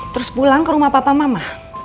terus pulang ke rumah papa mama